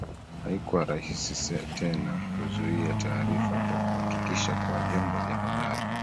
Haikuwa rahisi tena kuzuia taarifa kwa kuhakikisha kuwa vyombo vya habari